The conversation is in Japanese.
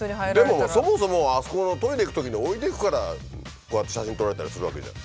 でもそもそもあそこのトイレ行くときに置いていくからこうやって写真撮られたりするわけじゃん。